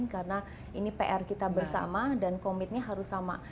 karena ini pr kita bersama dan komitnya harus sama